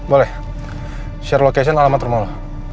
boleh share location alamat rumah lo